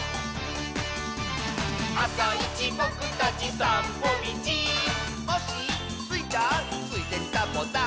「あさいちぼくたちさんぽみち」「コッシースイちゃん」「ついでにサボさん」